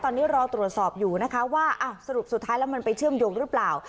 ตอนนี้รอตรวจสอบอยู่นะคะว่าสรุปสุดท้ายแล้วมันไปเชื่อมโยงหรือเปล่า